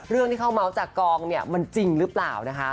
เรื่องที่เขาเมาส์จากกองเนี่ยมันจริงหรือเปล่านะคะ